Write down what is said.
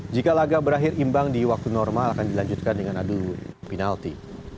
jika laga berakhir imbang di waktu normal akan dilanjutkan dengan adu penalti